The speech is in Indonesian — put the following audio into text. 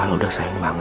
jadi reina bukan anak